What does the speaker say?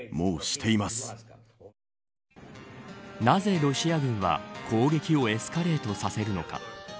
なぜロシア軍は攻撃をエスカレートさせるのか。